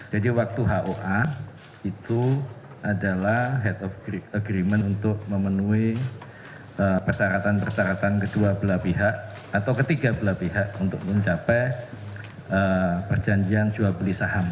jadi waktu hoa itu adalah head of agreement untuk memenuhi persyaratan persyaratan kedua belah pihak atau ketiga belah pihak untuk mencapai perjanjian jual beli saham